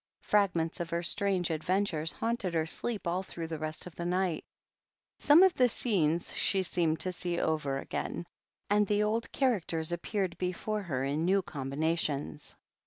Fragments of her strange adventures haunted her sleep all through the rest of the night ; some of the scenes she seemed to see over again, and the old characters appeared before her in new combinations.